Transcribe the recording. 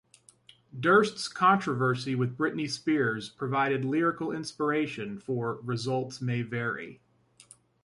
Durst's controversy with Britney Spears provided lyrical inspiration for "Results May Vary".